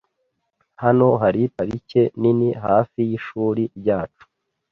Hano hari parike nini hafi yishuri ryacu.